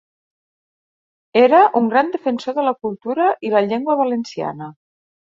Era un gran defensor de la cultura i la llengua valenciana.